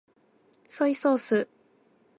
ソイソース